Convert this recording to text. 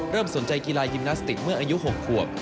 สนใจกีฬายิมนาสติกเมื่ออายุ๖ขวบ